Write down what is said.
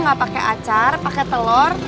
gak pake acar pake telur